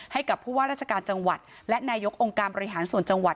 ให้กับผู้ว่าราชการจังหวัดและนายกองค์การบริหารส่วนจังหวัด